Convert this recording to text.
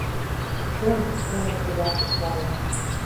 — Чын, — нелын шӱлалтыш Фая.